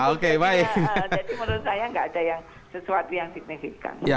jadi menurut saya tidak ada sesuatu yang signifikan